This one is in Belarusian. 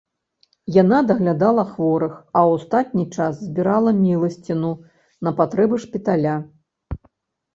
Яна даглядала хворых, а ў астатні час збірала міласціну на патрэбы шпіталя.